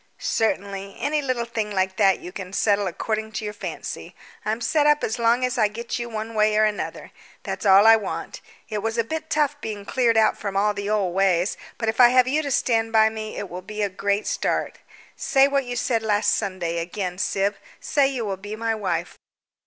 "Certainly; any little thing like that you can settle according to your fancy. I'm set up as long as I get you one way or another, that's all I want. It was a bit tough being cleared out from all the old ways, but if I have you to stand by me it will be a great start. Say what you said last Sunday, again. Syb, say you will be my wife."